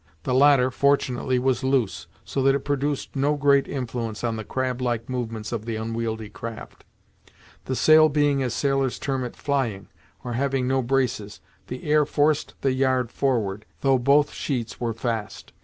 The latter, fortunately, was loose, so that it produced no great influence on the crab like movements of the unwieldy craft. The sail being as sailors term it, flying, or having no braces, the air forced the yard forward, though both sheets were fast.